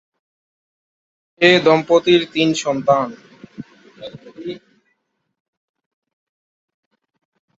এ দম্পতির তিন সন্তান।